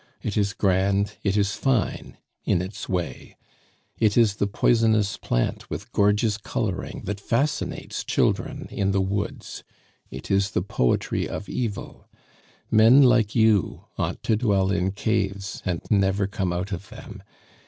It is grand, it is fine in its way. It is the poisonous plant with gorgeous coloring that fascinates children in the woods. It is the poetry of evil. Men like you ought to dwell in caves and never come out of them.